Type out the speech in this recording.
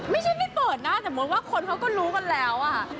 ไม่ใช่ไม่เปิดหน้าแต่มีคนเขาก็รู้กันแล้วอ่ะ